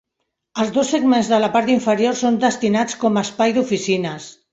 Els dos segments de la part inferior són destinats com a espai d'oficines.